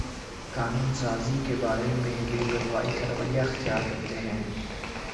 قانون سازی کے بارے میں بے پروائی کا رویہ اختیار کرتے ہیں